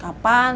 kalau punya uang